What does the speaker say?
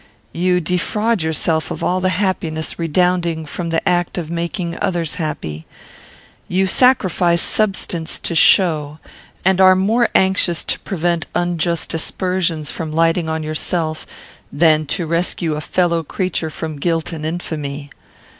You defraud yourself of all the happiness redounding from the act of making others happy. You sacrifice substance to show, and are more anxious to prevent unjust aspersions from lighting on yourself, than to rescue a fellow creature from guilt and infamy.